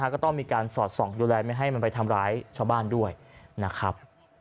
ก็ต้องมีการสอดส่องดูแลไม่ให้มันไปทำร้ายชาวบ้านด้วยนะครับ